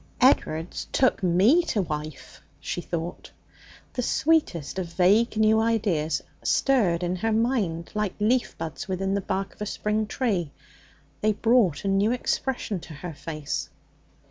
'Ed'ard's took me to wife,' she thought. The sweetest of vague new ideas stirred in her mind like leaf buds within the bark of a spring tree. They brought a new expression to her face.